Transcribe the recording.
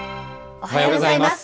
おはようございます。